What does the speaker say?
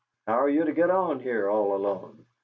How are you to get on here all alone?